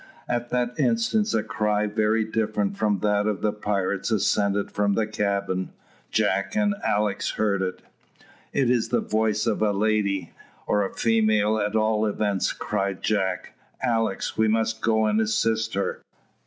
At that instant a cry very different from that of the pirates ascended from the cabin. Jack and Alick heard it. "It is the voice of a lady, or a female at all events," cried Jack. "Alick, we must go and assist her.